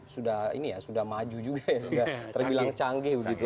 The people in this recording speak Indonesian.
sudah ini ya sudah maju juga ya sudah terbilang canggih begitu